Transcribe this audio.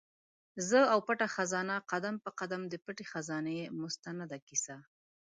زه او پټه خزانه؛ قدم په قدم د پټي خزانې مستنده کیسه